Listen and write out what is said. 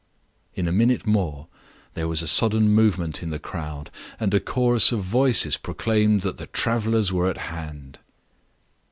In a minute more, there was a sudden movement in the crowd; and a chorus of voices proclaimed that the travelers were at hand.